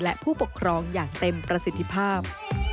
และผู้ปกครองอย่างเต็มประสิทธิภาพ